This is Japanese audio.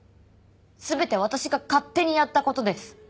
全て私が勝手にやった事です。